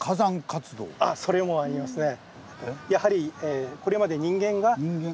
あっそれもありますね。